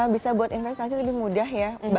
bisa buat investasi lebih mudah ya